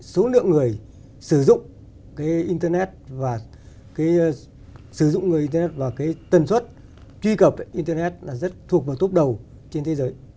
số lượng người sử dụng cái internet và cái sử dụng người internet và cái tần suất truy cập internet là rất thuộc vào tốp đầu trên thế giới